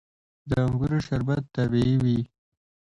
د انګورو شربت طبیعي وي.